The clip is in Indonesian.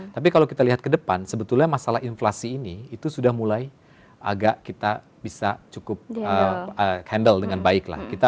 tapi kalau kita lihat ke depan sebetulnya masalah inflasi ini itu sudah mulai agak kita bisa cukup handle dengan baik lah